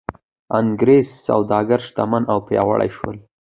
انګرېز سوداګر شتمن او پیاوړي شول.